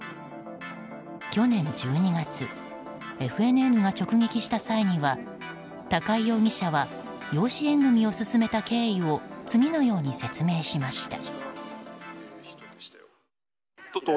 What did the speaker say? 去年１２月ＦＮＮが直撃した際には高井容疑者は養子縁組を進めた経緯を次のように説明しました。